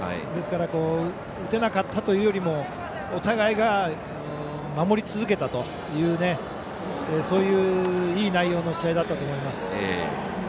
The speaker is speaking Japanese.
ですから打てなかったというよりもお互いが守り続けたといういい内容の試合だったと思います。